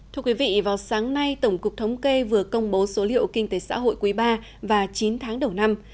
thưa quý vị vào sáng nay tổng cục thống kê vừa công bố số liệu kinh tế xã hội quý iii và chín tháng đầu năm